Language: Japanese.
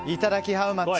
ハウマッチ。